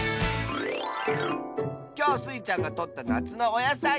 きょうスイちゃんがとったなつのおやさい。